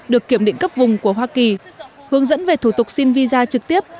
được kiểm định cấp vùng của hoa kỳ hướng dẫn về thủ tục xin visa trực tiếp